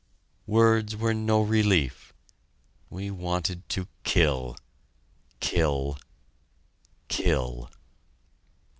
Words were no relief! we wanted to kill kill kill.